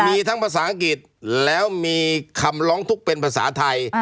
มีทั้งภาษาอังกฤษแล้วมีคำร้องทุกข์เป็นภาษาไทย